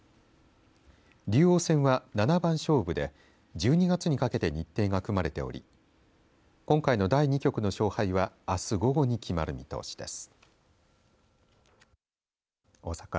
竜王戦は、七番勝負で１２月にかけて日程が組まれており今回の第２局の勝敗はあす午後に決まる見通しです。